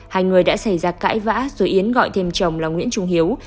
hai người đã xảy ra cãi vã rồi yến gọi thêm chồng là nguyễn trung hiếu